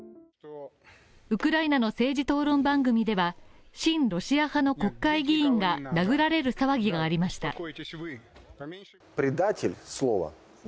ウクライナの政治討論番組では親ロシア派の国会議員が殴られる騒ぎがありました。